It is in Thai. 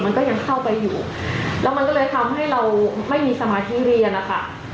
มันก็ยังเข้าไปอยู่แล้วมันก็เลยทำให้เราไม่มีสมาธิเรียนนะคะ